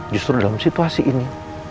justru dalam situasi ini